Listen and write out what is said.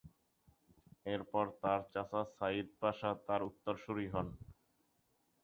এরপর তার চাচা সাইদ পাশা তার উত্তরসুরি হন।